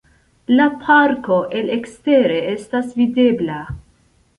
La parko el ekstere estas videbla.